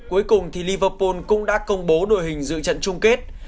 cuối cùng thì liverpool cũng đã công bố đội hình dự trận chung kết